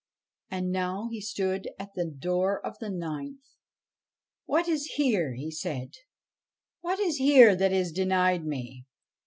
And now he stood at the door of the ninth. 'What is here?' said he. 'What is here that is denied me?